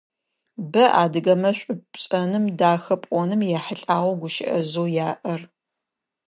Бэ адыгэмэ шӏу пшӏэным, дахэ пӏоным ехьылӏагъэу гущыӏэжъэу яӏэр.